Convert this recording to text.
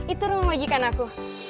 itu rumah majikan aku